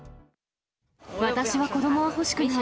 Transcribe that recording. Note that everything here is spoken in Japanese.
私は子どもは欲しくない。